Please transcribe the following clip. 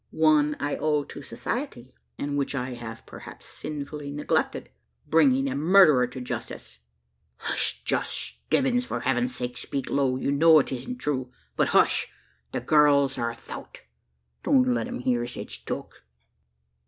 "One I owe to society; and which I have perhaps sinfully neglected bring a murderer to justice!" "Hush! Josh Stebbins for Heaven's sake, speak low! You know it isn't true but, hush! the gurls are 'thout. Don't let them hear sech talk!"